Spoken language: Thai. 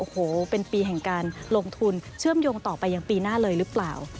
โอ้โหเป็นปีแห่งการลงทุนเชื่อมโยงต่อไปยังปีหน้าเลยหรือเปล่า